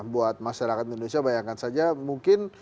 buat masyarakat indonesia bayangkan saja mungkin